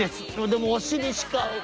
でもお尻しか。